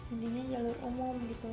intinya jalur umum gitu